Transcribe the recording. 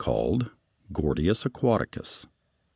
63) called Gordius aquaticus.